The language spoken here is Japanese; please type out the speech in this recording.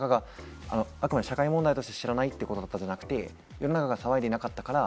あくまで社会問題として知らないということではなくて世の中が騒いでいなかったから。